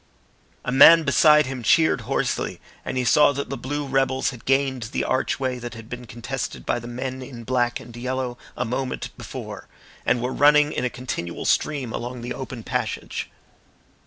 A man beside him cheered hoarsely, and he saw that the blue rebels had gained the archway that had been contested by the men in black and yellow a moment before, and were running in a continual stream along the open passage.